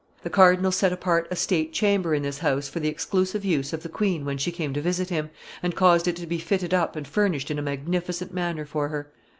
The cardinal set apart a state chamber in this house for the exclusive use of the queen when she came to visit him, and caused it to be fitted up and furnished in a magnificent manner for her.